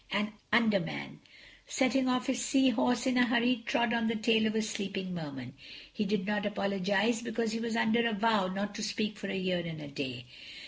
An Under man, getting off his Sea Horse in a hurry trod on the tail of a sleeping Merman. He did not apologize because he was under a vow not to speak for a year and a day.